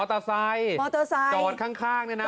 มอเตอร์ไซค์จอดข้างเนี่ยนะ